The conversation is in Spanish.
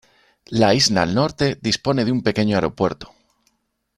La isla norte dispone de un pequeño aeropuerto.